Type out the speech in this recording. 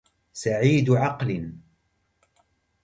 سعيد عقل